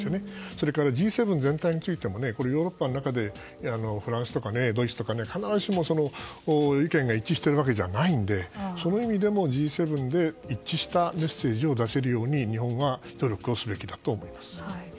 それからＧ７全体についてもヨーロッパの中でフランスとかドイツとか必ずしも、意見が一致しているわけじゃないのでその意味でもＧ７で一致したメッセージを出せるように日本は努力をすべきだと思います。